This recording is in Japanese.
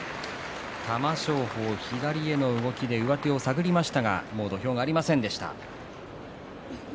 玉正鳳、左への動きで上手を探りましたがもう土俵がありませんでした。